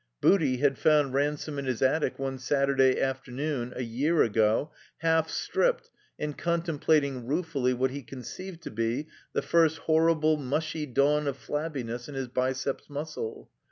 Booty had found Ransome in his attic one Satturday afternoon, a year ago, half stripped, and contemplating ruefully what he con ceived to. be the first horrible, mushy dawn of Flabbiness in his biceps muscle.